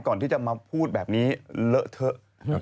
ก่อนที่จะมาพูดแบบนี้เลอะเทอะ